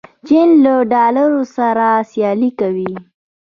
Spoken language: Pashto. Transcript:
چین له ډالر سره سیالي کوي.